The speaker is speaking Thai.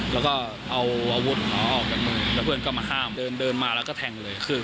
แล้วก็เอาอาวุธของเขาออกจากมือแล้วเพื่อนก็มาห้ามเดินเดินมาแล้วก็แทงเลย